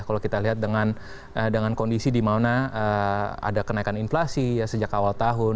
kalau kita lihat dengan kondisi di mana ada kenaikan inflasi sejak awal tahun